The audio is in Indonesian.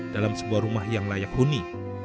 dalam sebuah rumah yang layak huni